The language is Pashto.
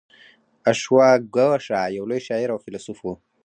اشواګوشا یو لوی شاعر او فیلسوف و